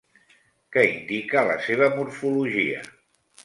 Què indica la seva morfologia?